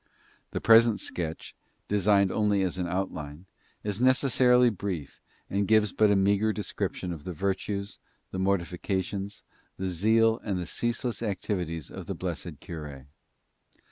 The present sketch, designed only as an outline, is necessarily brief and gives but a meagre description of the virtues, the mortifications, the zeal and the ceaseless activities of the blessed cure.